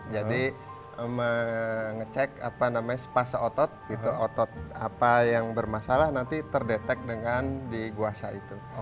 jadi ngecek apa namanya sepas otot otot apa yang bermasalah nanti terdetek dengan diguasa itu